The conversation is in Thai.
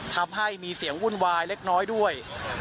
ทำให้มีเสียงวุ่นวายเล็กน้อยด้วย